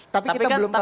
tapi kita belum tahu